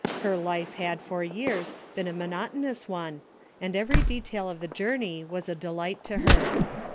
Her life had for years been a monotonous one, and every detail of the journey was a delight to her.